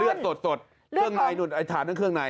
เลือดสดเครื่องในถามเรื่องเครื่องใน